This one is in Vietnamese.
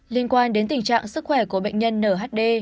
liên quan đến tình trạng sức khỏe của bệnh nhân nhd